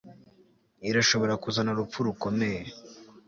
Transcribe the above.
Irashobora kuzana urupfu rukomeye